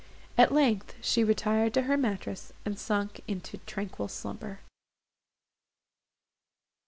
At length she retired to her mattress, and sunk into tranquil slumber.